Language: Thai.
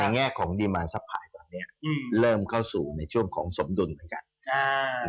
ในแง่ของตอนเนี้ยอืมเริ่มเข้าสู่ในช่วงของสมดุลเหมือนกัน